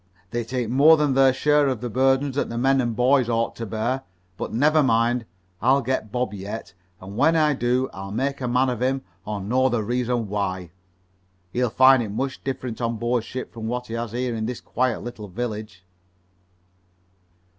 "They take more than their share of the burdens that the men and boys ought to bear. But never mind. I'll get Bob yet, and when I do I'll make a man of him or know the reason why. He'll find it much different on board ship from what he has it here in this quiet little village."